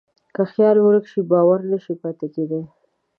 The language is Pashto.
که خیال ورک شي، باور نهشي پاتې کېدی.